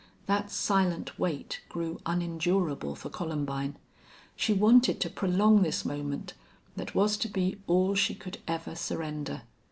That silent wait grew unendurable for Columbine. She wanted to prolong this moment that was to be all she could ever surrender.